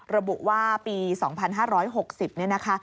ระบุว่าปี๒๕๖๐นะคะ